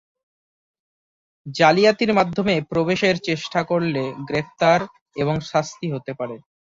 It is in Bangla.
জালিয়াতির মাধ্যমে প্রবেশের চেষ্টা করলে গ্রেফতার এবং শাস্তি হতে পারে।